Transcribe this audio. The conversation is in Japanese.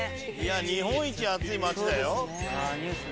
日本一暑い街だよ。